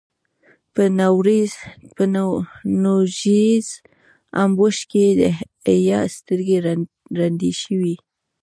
په نوږيز امبوش کې يې د حيا سترګې ړندې شوې.